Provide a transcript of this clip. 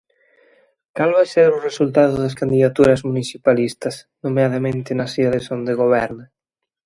Cal vai ser o resultado das candidaturas municipalistas, nomeadamente nas cidades onde goberna?